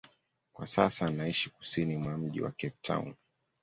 Kwa sasa anaishi kusini mwa mji wa Cape Town.